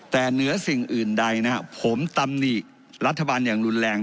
แต่เหนือสิ่งอื่นใดนะครับผมตำหนิรัฐบาลอย่างรุนแรง